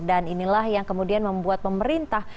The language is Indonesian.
dan inilah yang kemudian membuat pemerintah